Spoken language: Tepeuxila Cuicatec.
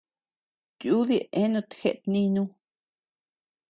Tiudi eanut jeʼet nínu.